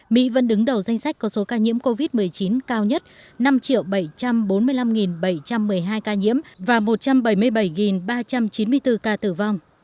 mỹ vẫn đứng đầu danh sách có số ca nhiễm covid một mươi chín cao nhất năm bảy trăm bốn mươi năm bảy trăm một mươi hai ca nhiễm và một trăm bảy mươi bảy ba trăm chín mươi bốn ca tử vong